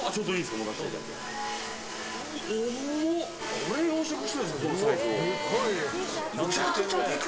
これ、養殖してるんですか